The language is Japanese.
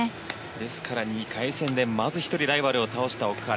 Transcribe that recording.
ですから、２回戦でまず１人ライバルを倒した奥原。